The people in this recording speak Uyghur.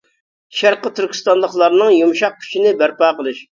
شەرقىي تۈركىستانلىقلارنىڭ يۇمشاق كۈچىنى بەرپا قىلىش.